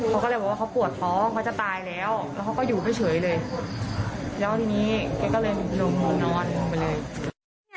เขาก็เลยบอกว่าเขาปวดท้องเขาจะตายแล้วแล้วเขาก็อยู่เฉยเลยแล้วทีนี้แกก็เลยลงนอนลงไปเลย